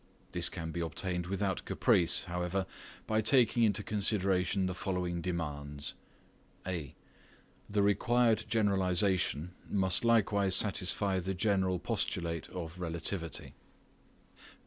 This can be obtained without caprice, however, by taking into consideration the following demands: (a) The required generalisation must likewise satisfy the general postulate of relativity.